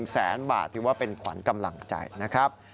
แสนบาทถือว่าเป็นขวัญกำลังใจนะครับ